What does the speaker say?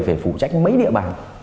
phải phụ trách mấy địa bàn